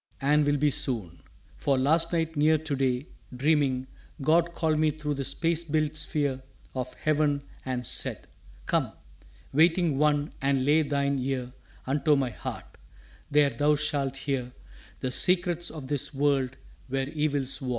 4 And will be soon! For last night near to day, Dreaming, God called me thro' the space built sphere Of heaven and said, "Come, waiting one, and lay Thine ear unto my Heart there thou shalt hear The secrets of this world where evils war."